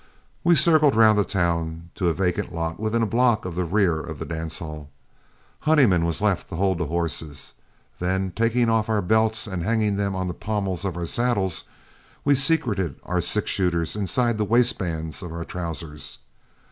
We circled round the town to a vacant lot within a block of the rear of the dance hall. Honeyman was left to hold the horses; then, taking off our belts and hanging them on the pommels of our saddles, we secreted our six shooters inside the waistbands of our trousers.